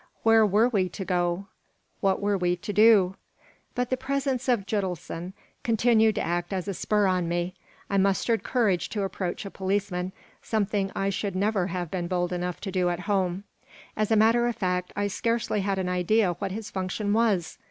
Where were we to go? What were we to do? But the presence of Gitelson continued to act as a spur on me. I mustered courage to approach a policeman, something I should never have been bold enough to do at home. As a matter of fact, I scarcely had an idea what his function was.